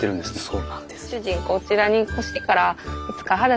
そうなんです。